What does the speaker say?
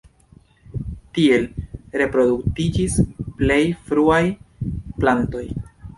Tiel reproduktiĝis plej fruaj plantoj.